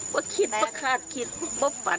พอคิดพอขาดคิดพบฝัน